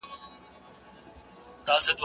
زه اجازه لرم چي کښېناستل وکړم!؟